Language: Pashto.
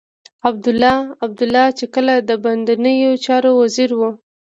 عبدالله عبدالله چې کله د باندنيو چارو وزير و.